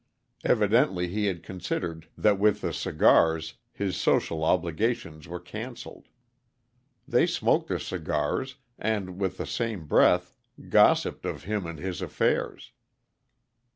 Evidently he had considered that with the cigars his social obligations were canceled. They smoked the cigars, and, with the same breath, gossiped of him and his affairs.